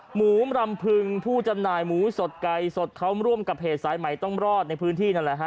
หมูรำพึงผู้จำหน่ายหมูสดไก่สดเขาร่วมกับเพจสายใหม่ต้องรอดในพื้นที่นั่นแหละฮะ